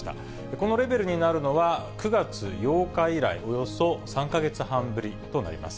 このレベルになるのは、９月８日以来、およそ３か月半ぶりとなります。